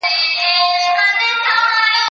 زه به سبا لوبه وکړم!؟